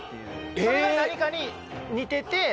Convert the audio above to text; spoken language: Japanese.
それが何かに似てて。